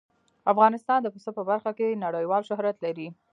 افغانستان د پسه په برخه کې نړیوال شهرت لري.